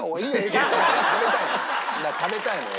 食べたいのよ。